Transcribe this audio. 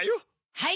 はい！